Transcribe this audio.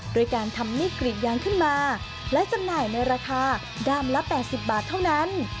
ด้วยการทำมีดกรีดยางขึ้นมาและจำหน่ายในราคาด้ามละ๘๐บาทเท่านั้น